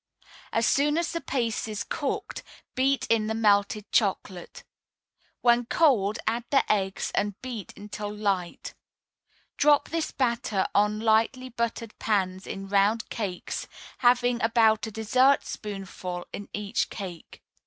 As soon as the paste is cooked, beat in the melted chocolate. When cold, add the eggs, and beat until light. Drop this batter on lightly buttered pans in round cakes, having about a dessertspoonful in each cake.